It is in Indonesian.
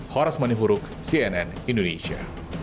horas mani huruk cnn indonesia